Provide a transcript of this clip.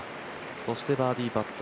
そしてバーディーパット。